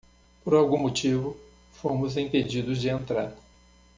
Por algum motivo,? fomos impedidos de entrar.